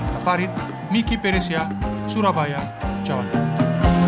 pak farid miki perisya surabaya jawa barat